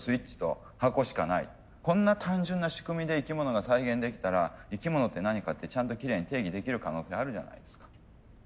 こんな単純な仕組みで生き物が再現できたら生き物って何かってちゃんときれいに定義できる可能性あるじゃないですか。